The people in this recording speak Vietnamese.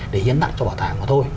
để hiến đặt cho bảo tàng mà thôi